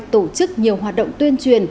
tổ chức nhiều hoạt động tuyên truyền